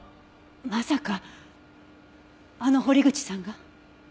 まさかあの堀口さんが？